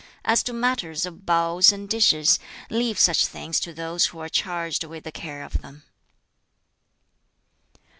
As to matters of bowls and dishes, leave such things to those who are charged with the care of them."